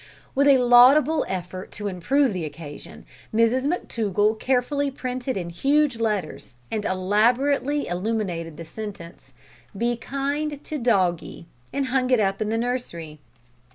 With a laudable effort to improve the occasion, Mrs McTougall carefully printed in huge letters, and elaborately illuminated the sentence, "Be kind to Doggie," and hung it up in the nursery.